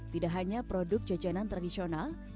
tidak hanya produk jajanan tradisional